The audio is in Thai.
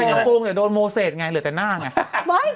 กระโปรงแต่โดนโมเซตไงเหลือแต่หน้าไง